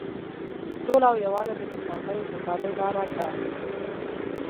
سوله او یووالی د نیکمرغۍ او سوکالۍ لاره ده.